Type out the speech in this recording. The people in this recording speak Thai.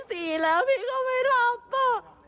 ที่๔แล้วพี่ก็ไม่หลับอะ